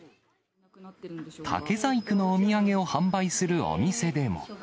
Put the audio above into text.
竹細工のお土産を販売するお店でも。